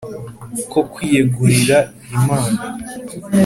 ko kwiyegurira imana